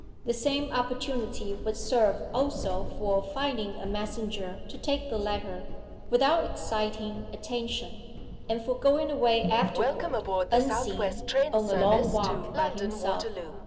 The same opportunity would serve also for finding a messenger to take the letter, without exciting attention, and for going away afterward, unseen, on a long walk by himself.